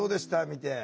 見て。